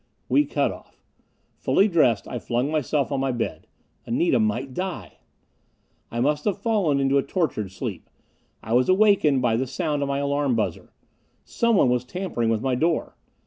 We cut off. Fully dressed, I flung myself on my bed. Anita might die.... I must have fallen into a tortured sleep. I was awakened by the sound of my alarm buzzer. Someone was tampering with my door!